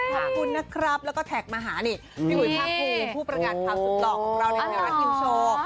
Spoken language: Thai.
ขอบคุณนะครับแล้วก็แท็กมาหานี่พี่อุ๋ยภาคภูมิผู้ประกาศข่าวสุดหล่อของเราในไทยรัฐนิวโชว์